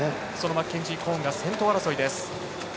マッケンジー・コーンが先頭争いです。